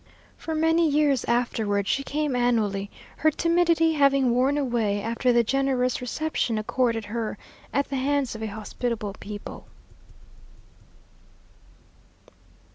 For many years afterward she came annually, her timidity having worn away after the generous reception accorded her at the hands of a hospitable people.